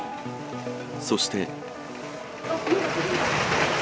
そして。